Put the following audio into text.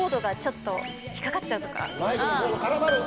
マイクのコード絡まる。